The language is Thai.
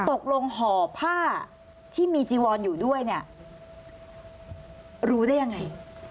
ตกลงห่อผ้าที่มีจีวอนอยู่ด้วยเนี่ยรู้ได้ยังไง